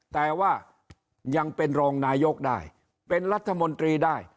แต่ว่ายังเป็นรองนายกได้เป็นรัฐมนตรีได้